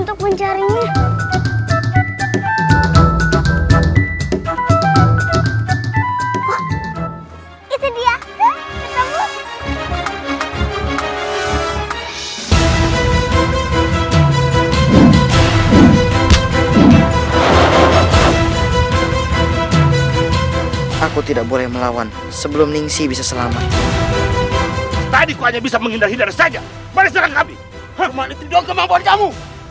lepaskan performa kamu